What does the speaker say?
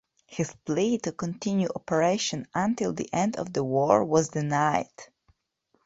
His plea to continue operation until the end of the war was denied.